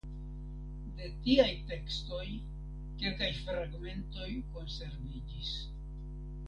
De tiaj tekstoj kelkaj fragmentoj konserviĝis.